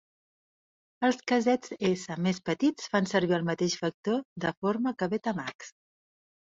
Els casetes S més petits fan servir el mateix factor de forma que Betamax.